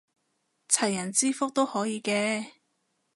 齊人之福都可以嘅